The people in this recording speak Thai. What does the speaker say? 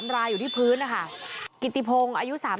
ตายหนึ่ง